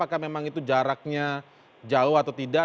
apakah memang itu jaraknya jauh atau tidak